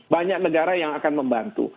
banyak negara yang akan membantu